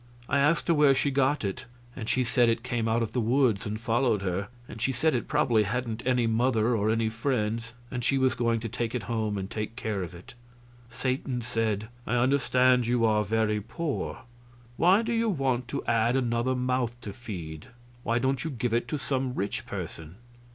I asked her where she got it, and she said it came out of the woods and followed her; and she said it probably hadn't any mother or any friends and she was going to take it home and take care of it. Satan said: "I understand you are very poor. Why do you want to add another mouth to feed? Why don't you give it to some rich person?"